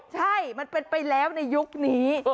ใช่มันเป็นไปแล้วในยุคนี้